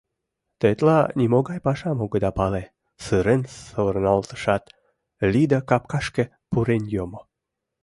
Тетла нимогай пашам огыда пале, — сырен савырналтышат, Лида капкашке пурен йомо.